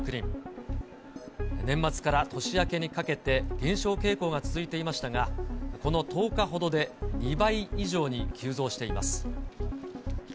年末から年明けにかけて、減少傾向が続いていましたが、この１０日ほどで２倍以上に急増しています。